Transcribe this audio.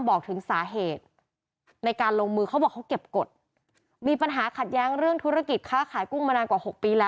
บอกถึงสาเหตุในการลงมือเขาบอกเขาเก็บกฎมีปัญหาขัดแย้งเรื่องธุรกิจค้าขายกุ้งมานานกว่าหกปีแล้ว